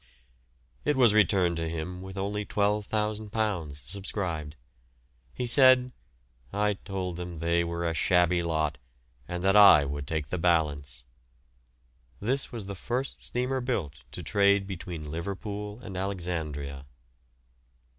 It was returned to him with only £12,000 subscribed. He said, "I told them they were a shabby lot, and that I would take the balance." This was the first steamer built to trade between Liverpool and Alexandria.